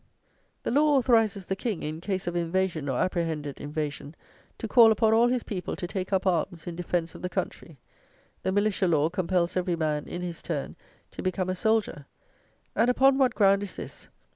The law authorises the King, in case of invasion, or apprehended invasion, to call upon all his people to take up arms in defence of the country. The Militia Law compels every man, in his turn, to become a soldier. And upon what ground is this?